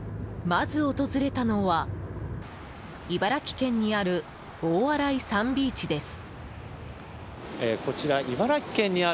まず、訪れたのは茨城県にある大洗サンビーチです。